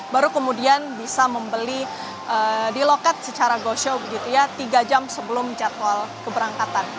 baru kemudian bisa membeli di loket secara go show tiga jam sebelum jadwal keberangkatan